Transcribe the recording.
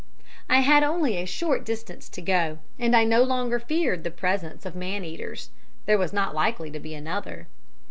"I had only a short distance to go, and I no longer feared the presence of man eaters there was not likely to be another.